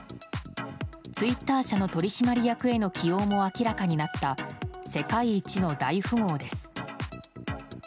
ツイッター社の取締役への起用も明らかになった世界一の大富豪です。